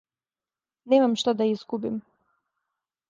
Немам шта да изгубим.